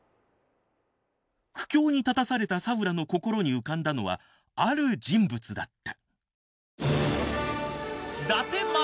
苦境に立たされた佐浦の心に浮かんだのはある人物だった。